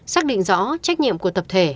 xác định rõ trách nhiệm của tập thể